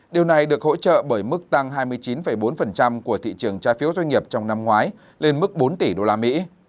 điều này được hỗ trợ bởi mức tăng hai mươi chín bốn của thị trường trái phiếu doanh nghiệp trong năm ngoái lên mức bốn tỷ usd